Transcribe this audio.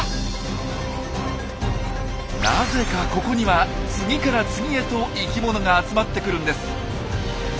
なぜかここには次から次へと生きものが集まってくるんです。